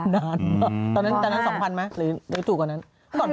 ตอนนั้น๒๐๐๐ไหมหรือถูกกว่านั้น